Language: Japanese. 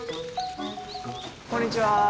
こんにちは。